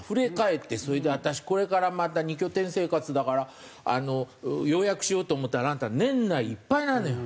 それで私これからまた２拠点生活だから予約しようと思ったら年内いっぱいなのよ。